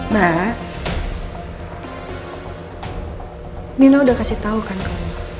mbak nino udah kasih tau kan kemu